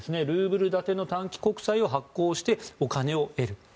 ルーブル建ての短期国債を発行してお金を得る。